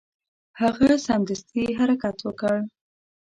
هغه سمدستي حرکت وکړ.